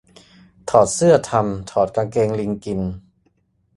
ถอดเสื้อทำ ถอดกางเกงลิงกิน